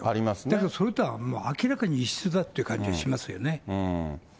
だけどそれとは明らかに異質だっていう感じがしますよね。